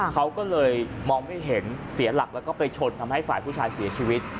เขาก็เลยมองไม่เห็นเสียหลักแล้วก็ไปชนทำให้ฝ่ายผู้ชายเสียชีวิต